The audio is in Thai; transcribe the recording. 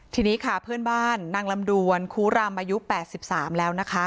ทีนี้ค่ะเพื่อนบ้านนางลำดวนคูรำอายุ๘๓แล้วนะคะ